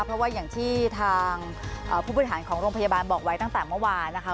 เพราะว่าอย่างที่ทางผู้บริหารของโรงพยาบาลบอกไว้ตั้งแต่เมื่อวานนะคะ